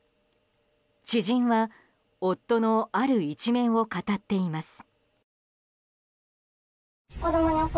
知人は夫のある一面を語っています。